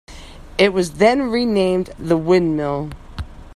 It was then renamed the Windmill.